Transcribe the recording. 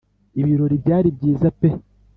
ibirori byari byiza pe